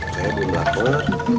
saya belum lapar